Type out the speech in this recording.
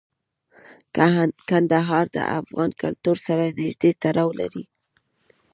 کندهار د افغان کلتور سره نږدې تړاو لري.